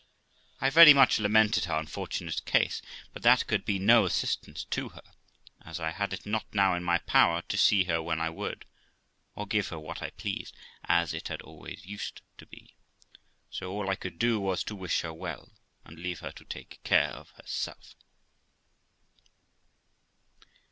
I very much lamented her unfortunate case, but that could be no assistance to her, as I had it not now in my power to see her when I would, or give her what I pleased, as it had always used to be ; so all I could do was to wish her well, and leave her to take care of herself.